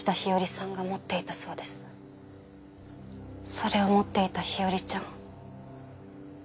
それを持っていた日和ちゃん